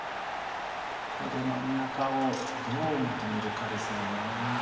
ここで真ん中をどうまとめるかですよね。